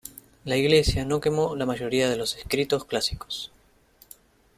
La Iglesia no quemó la mayoría de los escritos clásicos.